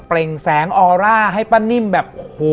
เปล่งแสงออร่าให้ป้านิ่มแบบโห